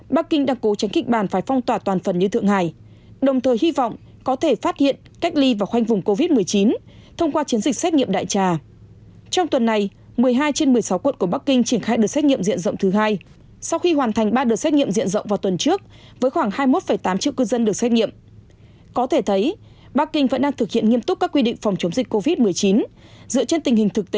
bắc kinh đã phải phong tỏa một số địa điểm hạn chế người dân sang ngoài